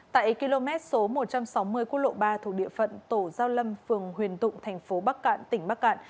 tại km số một trăm sáu mươi quốc lộ ba thuộc địa phận tổ giao lâm phường huyền tụng thành phố bắc cạn tỉnh bắc cạn